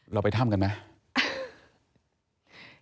เราไปถ้ำกันไหม